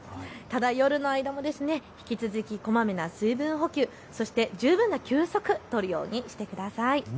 夜の間も引き続きこまめな水分補給、そして十分な休息、取るようにしてください。